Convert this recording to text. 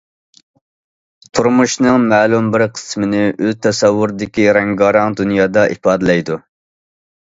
تۇرمۇشنىڭ مەلۇم بىر قىسمىنى ئۆز تەسەۋۋۇرىدىكى رەڭگارەڭ دۇنيادا ئىپادىلەيدۇ.